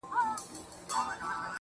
که ټوله ژوند په تنهايۍ کي تېر کړم.